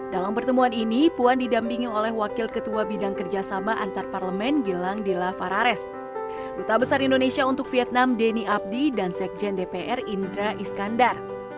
dalam pertemuan ini puan didampingi oleh wakil ketua bidang kerjasama antarparlemen gilang dela farares duta besar indonesia untuk vietnam denny abdi dan sekjen dpr indra iskandar